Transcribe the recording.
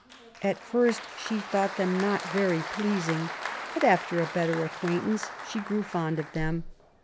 At first she thought them not very pleasing^ but after a better acquaintance she grew fond of them.